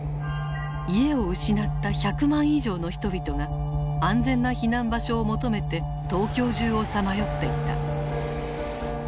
家を失った１００万以上の人々が安全な避難場所を求めて東京中をさまよっていた。